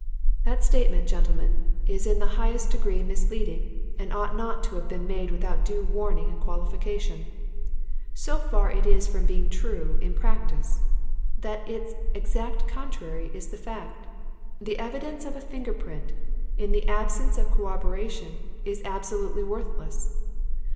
"That statement, gentlemen, is in the highest degree misleading, and ought not to have been made without due warning and qualification. So far is it from being true, in practice, that its exact contrary is the fact; the evidence of a finger print, in the absence of corroboration, is absolutely worthless.